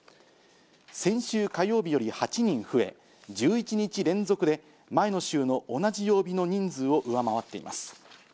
先週火曜日より８人増え、１１日連続で前の週の同じ曜日の人数を上回っています。